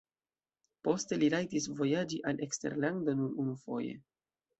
Poste li rajtis vojaĝi al eksterlando nur unufoje.